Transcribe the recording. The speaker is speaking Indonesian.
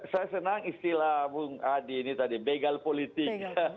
saya senang istilah bung adi ini tadi begal politik